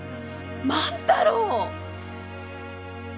万太郎！